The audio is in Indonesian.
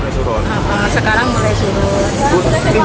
sekarang mulai surut